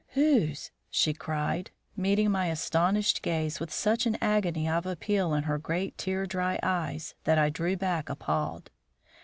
"Whose?" she cried, meeting my astonished gaze with such an agony of appeal in her great tear dry eyes, that I drew back appalled.